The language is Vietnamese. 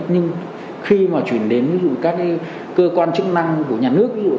nhưng khi mà chuyển đến các cơ quan chức năng của nhà nước